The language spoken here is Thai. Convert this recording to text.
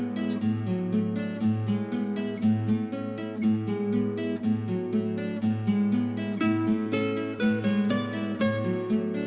เธอคือใจของคนดี